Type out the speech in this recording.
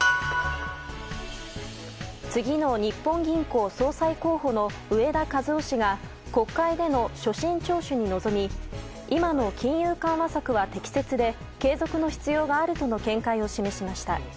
次の日本銀行総裁候補の植田和男氏が国会での所信聴取に臨み今の金融緩和策は適切で継続の必要があるとの見解を示しました。